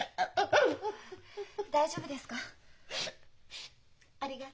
大丈夫ですか？